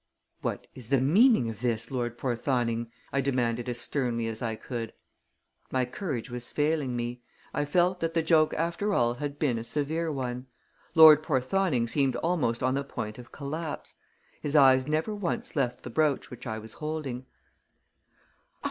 "What is the meaning of this, Lord Porthoning?" I demanded as sternly as I could. My courage was failing me. I felt that the joke, after all, had been a severe one. Lord Porthoning seemed almost on the point of collapse. His eyes never once left the brooch which I was holding.